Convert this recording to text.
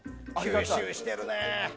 吸収しているね。